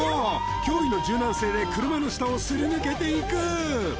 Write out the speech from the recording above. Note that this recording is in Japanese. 驚異の柔軟性で車の下をすり抜けていく！